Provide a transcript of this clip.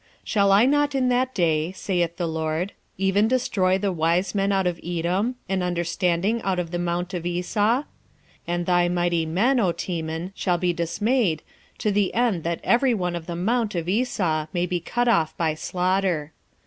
1:8 Shall I not in that day, saith the LORD, even destroy the wise men out of Edom, and understanding out of the mount of Esau? 1:9 And thy mighty men, O Teman, shall be dismayed, to the end that every one of the mount of Esau may be cut off by slaughter.